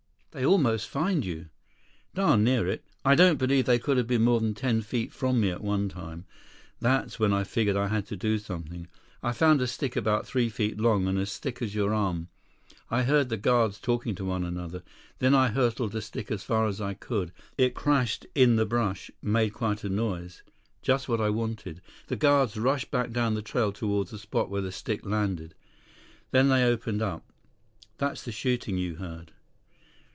"They almost find you?" "Darn near it. I don't believe they could have been more than ten feet from me at one time. That's when I figured I had to do something. I found a stick about three feet long and as thick as your arm. I heard the guards talking to one another. Then I hurled the stick as far as I could. It crashed in the brush, made quite a noise. Just what I wanted. The guards rushed back down the trail toward the spot where the stick landed. Then they opened up. That's the shooting you heard."